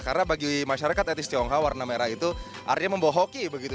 karena bagi masyarakat etis tionghoa warna merah itu artinya membohoki begitu